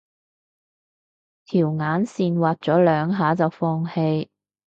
條眼線畫咗兩下就放棄